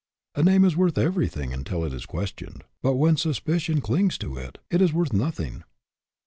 A name is worth everything until it is ques tioned; but when suspicion clings to it, it is worth nothing.